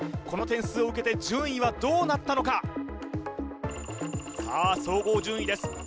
この点数を受けて順位はどうなったのかさあ総合順位です